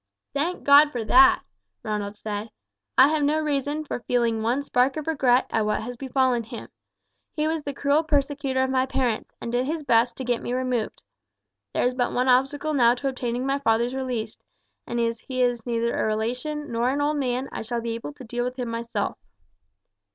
"Thank God for that!" Ronald said. "I have no reason for feeling one spark of regret at what has befallen him. He was the cruel persecutor of my parents, and did his best to get me removed. There is but one obstacle now to obtaining my father's release, and as he is neither a relation nor an old man I shall be able to deal with him myself."